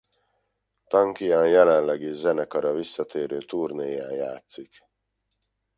Tankian jelenleg is zenekara visszatérő turnéján játszik.